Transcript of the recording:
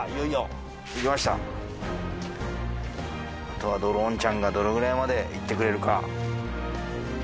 あとはドローンちゃんがどのぐらいまで行ってくれるか。